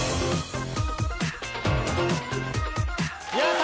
やった！